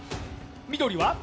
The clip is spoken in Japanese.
緑は？